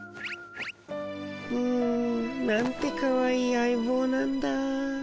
ううなんてかわいい相ぼうなんだ。